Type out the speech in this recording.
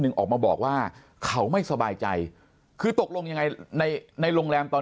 ออกมาบอกว่าเขาไม่สบายใจคือตกลงยังไงในในโรงแรมตอน